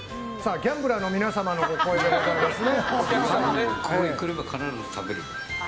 ギャンブラーの皆様のお声ですね。